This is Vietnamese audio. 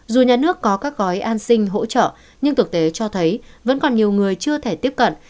dù nhà nước có các gói an sinh hỗ trợ nhưng thực tế cho thấy vẫn còn nhiều người chưa thể tiếp cận